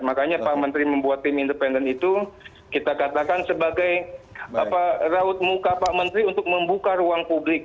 makanya pak menteri membuat tim independen itu kita katakan sebagai raut muka pak menteri untuk membuka ruang publik